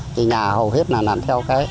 thì nhà hầu hết là làm theo cái